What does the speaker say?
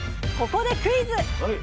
ここでクイズ！